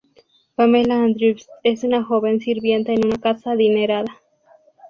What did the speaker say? Pamela Andrews es una joven sirvienta en una casa adinerada.